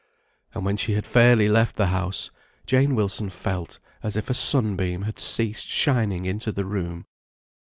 And when she had fairly left the house, Jane Wilson felt as if a sun beam had ceased shining into the room.